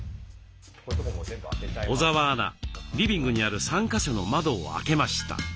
小澤アナリビングにある３か所の窓を開けました。